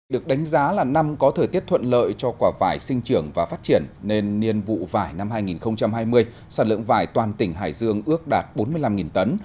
được đánh giá là năm có thời tiết thuận lợi cho quả vải sinh trưởng và phát triển nên niên vụ vải năm hai nghìn hai mươi sản lượng vải toàn tỉnh hải dương ước đạt bốn mươi năm tấn